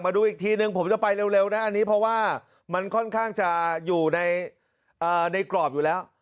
ดูอีกทีนึงผมจะไปเร็วนะอันนี้เพราะว่ามันค่อนข้างจะอยู่ในกรอบอยู่แล้ว